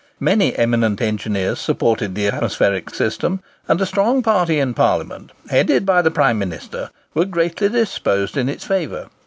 Many eminent engineers supported the atmospheric system, and a strong party in Parliament, headed by the Prime Minister, were greatly disposed in its favour.